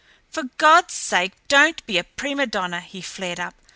"For God's sake don't be a prima donna," he flared up.